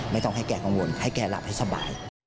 ไม่ต้องให้แกกังวลให้แกหลับให้สบาย